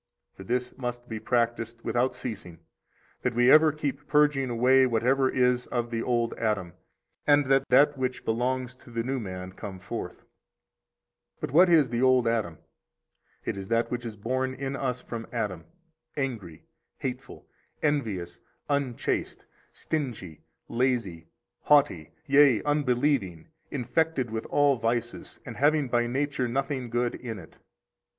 For this must be practised without ceasing, that we ever keep purging away whatever is of the old Adam, and that that which belongs to the new man come forth. 66 But what is the old man? It is that which is born in us from Adam, angry, hateful, envious, unchaste, stingy, lazy, haughty, yea, unbelieving, infected with all vices, and having by nature nothing good in it.